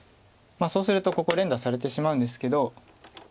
そうするとここ連打されてしまうんですけど。